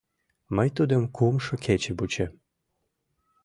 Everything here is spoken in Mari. Мый тудым кумшо кече вучем.